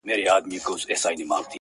ساقي نن مي خړوب که شپه تر پایه مستومه!!